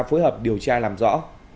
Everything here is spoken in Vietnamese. phối hợp điều tra làm rõ